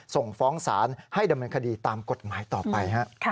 ส่งฟ้องศาลให้ดำเนินคดีตามกฎหมายต่อไป